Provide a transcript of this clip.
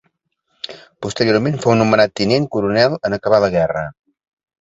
Posteriorment fou nomenat tinent coronel en acabar la guerra.